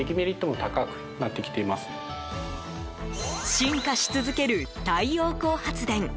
進化し続ける太陽光発電